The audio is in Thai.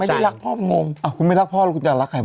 ไม่ได้รักพ่อประงงอ้าวคุณไม่รักพ่อแล้วคุณจะรักใครไหม